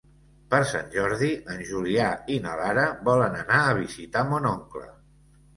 Per Sant Jordi en Julià i na Lara volen anar a visitar mon oncle.